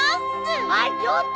あっちょっと！